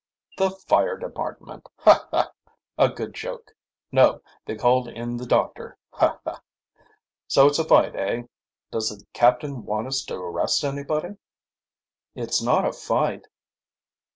"The fire department Ha! ha! a good joke! No; they called in the doctor, ha! ha! So it's a fight, eh? Does the captain want us to arrest anybody?" "It's not a fight."